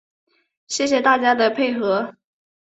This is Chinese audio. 谢谢大家的配合